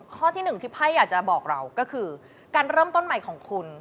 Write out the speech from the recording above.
ข้อที่หนึ่งที่ไพ่อยากจะบอกเราก็คือการเริ่มต้นใหม่ของคุณ